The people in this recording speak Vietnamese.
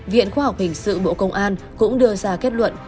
viện khoa học hình sự bộ công an cũng đưa ra kết luận